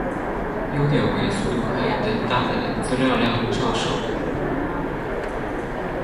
优点为速度快但搭载的资料量较少。